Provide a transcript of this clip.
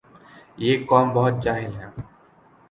یہ قوم بہت جاہل ھے